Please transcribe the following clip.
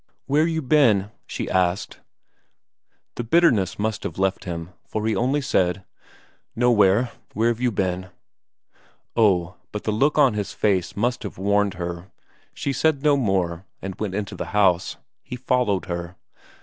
"Where you been?" she asked. The bitterness must have left him, for he only said: "Nowhere. Where've you been?" Oh, but the look on his face must have warned her; she said no more, but went into the house. He followed her.